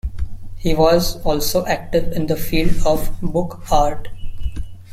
He was also active in the field of book art.